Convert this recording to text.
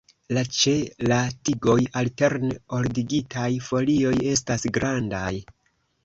La ĉe la tigoj alterne ordigitaj folioj estas grandaj.